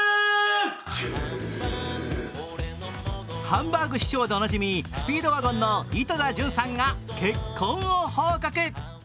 ハンバーグ師匠でおなじみ、スピードワゴンの井戸田潤さんが結婚を報告。